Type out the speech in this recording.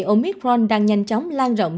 omicron đang nhanh chóng lan rộng